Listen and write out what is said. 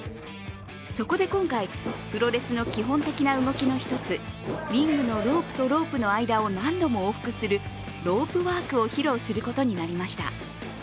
そこで今回プロレスの基本的な動きの一つリングのロープとロープの間を何度も往復するロープワークを披露することになりました。